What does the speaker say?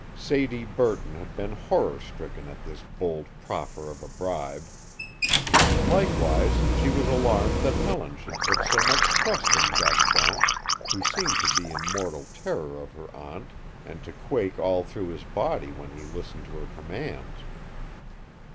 Sadie Burton had been horror stricken at this bold proffer of a bribe. Likewise she was alarmed that Helen should put so much trust in Gaston, who seemed to be in mortal terror of her aunt and to quake all through his body when he listened to her commands.